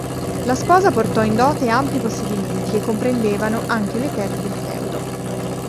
La sposa portò in dote ampi possedimenti, che comprendevano anche le terre del feudo.